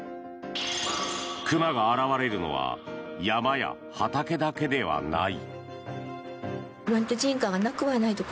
熊が現れるのは山や畑だけではない。